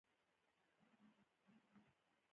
نن د بشري حقونو د نړیوال شعار تر چتر لاندې دي.